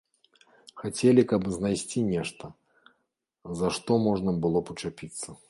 Хацелі, каб знайсці нешта, за што можна было б учапіцца.